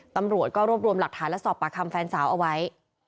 ตำรวจก็รวบรวมหลักฐานและสอบปากคำแฟนสาวเอาไว้